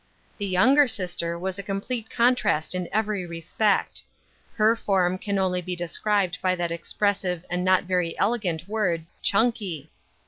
The younger sister was a complete contrast in every respect. Her form can only be described by that expressive and not very elegant word "chunky."